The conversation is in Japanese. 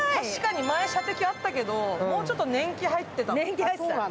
確かに、前、射的あったけど、もうちょっと年季入ってた。